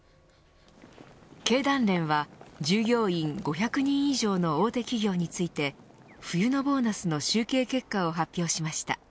経団連は従業員５００人以上の大手企業について冬のボーナスの集計結果を発表しました。